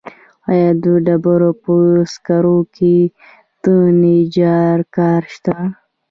آیا د ډبرو په سکرو کې د نجار کار شته